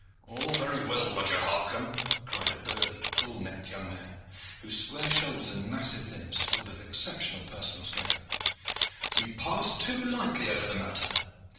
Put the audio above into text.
"All very well, Roger Harcomb," cried a burly, bull necked young man, whose square shoulders and massive limbs told of exceptional personal strength. "You pass too lightly over the matter.